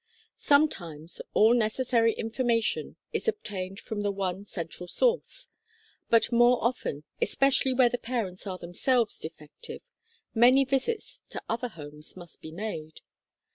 Sometimes all necessary information is obtained from the one central source, but more often, especially where the parents are themselves defective, many visits to other homes must be made.